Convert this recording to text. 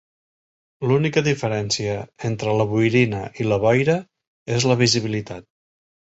L'única diferència entre la boirina i la boira és la visibilitat.